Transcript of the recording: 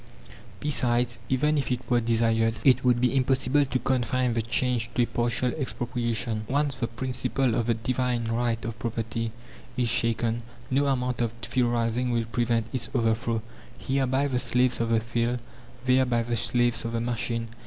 Besides, even if it were desired, it would be impossible to confine the change to a partial expropriation. Once the principle of the "Divine Right of Property" is shaken, no amount of theorizing will prevent its overthrow, here by the slaves of the field, there by the slaves of the machine.